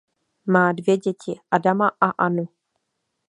Má dvě děti Adama a Annu.